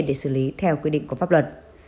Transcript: để xử lý theo quy định của pháp luật